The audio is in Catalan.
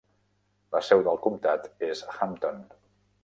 La seu del comtat és Hampton.